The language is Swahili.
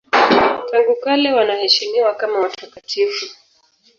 Tangu kale wanaheshimiwa kama watakatifu.